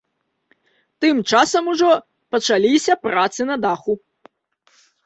Тым часам ужо пачаліся працы на даху.